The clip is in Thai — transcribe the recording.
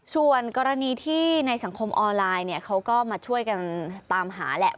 ส่วนกรณีที่ในสังคมออนไลน์เนี่ยเขาก็มาช่วยกันตามหาแหละ